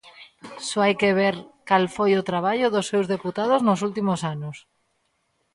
Só hai que ver cal foi o traballo dos seus deputados nos últimos anos.